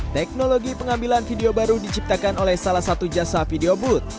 teknologi pengambilan video baru diciptakan oleh salah satu jasa video booth